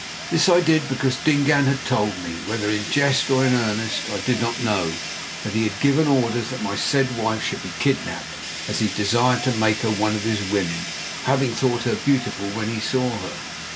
This I did because Dingaan had told me, whether in jest or in earnest I did not know, that he had given orders that my said wife should be kidnapped, as he desired to make her one of his women, having thought her beautiful when he saw her.